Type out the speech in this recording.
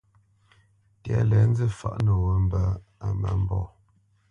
Tɛ̌lɛ nzî fǎʼ nǒ mbə̄ á má mbɔ̂.